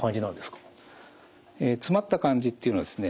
詰まった感じっていうのはですね